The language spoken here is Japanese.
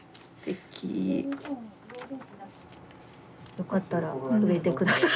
よかったら植えて下さい。